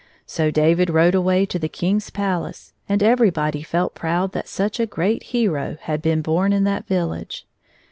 So David rode away to the King's palace, and everybody felt proud that such a great hero had been bom in that village.